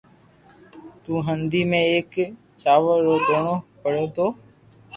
تو ھنڌي ۾ ايڪ چاور رو دوڻو پڙيو تو